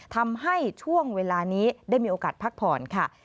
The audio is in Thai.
ทำให้ช่วงเวลานี้ได้มีโอกาสพักผ่อนค่ะ